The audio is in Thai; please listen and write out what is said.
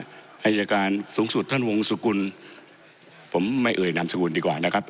อายการสูงสุดท่านวงสุกุลผมไม่เอ่ยนามสกุลดีกว่านะครับ